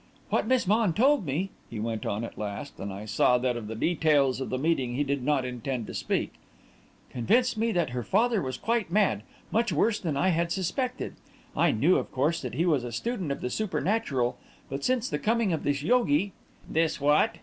"What Miss Vaughan told me," he went on, at last, and I saw that of the details of the meeting he did not intend to speak, "convinced me that her father was quite mad much worse than I had suspected. I knew, of course, that he was a student of the supernatural, but since the coming of this yogi...." "This what?"